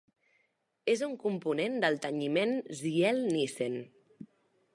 És un component del tenyiment Ziehl-Neelsen.